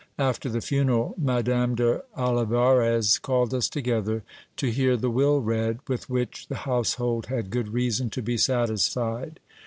After the funeral, Madame d'Olivarez called us together to hear the will read, with which the household had good reason to be satisfied.